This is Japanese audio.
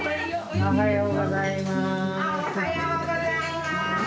おはようございます！